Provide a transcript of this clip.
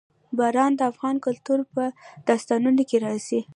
باران د افغان کلتور په داستانونو کې راځي.